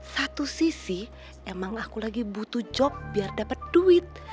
satu sisi emang aku lagi butuh job biar dapat duit